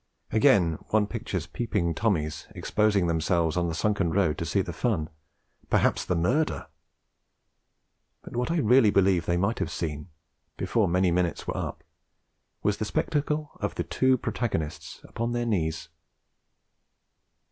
Again one pictures Peeping Tommies exposing themselves on the sunken road to see the fun, perhaps the murder; but what I really believe they might have seen, before many minutes were up, was the spectacle of the two protagonists upon their knees.